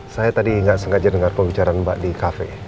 saya tadi nggak sengaja dengar pembicaraan mbak di kafe